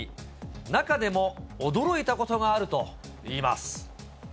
中でも驚いたことがあるといいます。